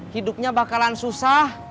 hidupnya bakalan susah